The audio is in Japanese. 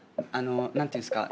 何ていうんですか？